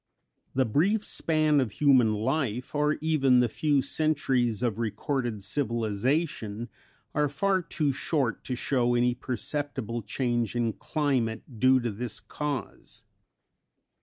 The brief span of human life, or even the few centuries of recorded civilization are far too short to show any perceptible change in climate due to this cause.